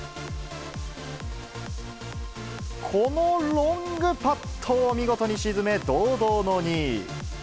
このロングパットを見事に沈め、堂々の２位。